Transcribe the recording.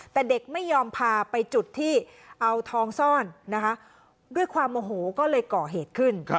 แต่เด็กไม่ยอมพาไปจุดที่เอาทองซ่อนนะคะด้วยความโมโหก็เลยก่อเหตุขึ้น